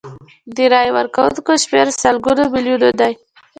د رایې ورکوونکو شمیر سلګونه میلیونه دی.